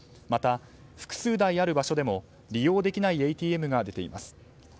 また、複数台ある場所でも利用できないＡＴＭが出ています。